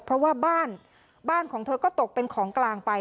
เพราะว่าบ้านบ้านของเธอก็ตกเป็นของกลางไป